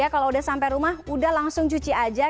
kalau sudah sampai rumah sudah langsung cuci saja